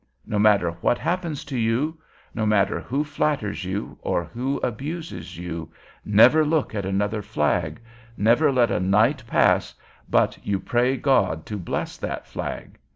No matter what happens to you, no matter who flatters you or who abuses you, never look at another flag, never let a night pass but you pray God to bless that flag.